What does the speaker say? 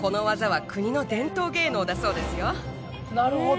なるほど。